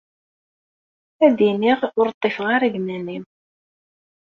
Ad d-iniɣ ur ṭṭifeɣ ara deg iman-iw.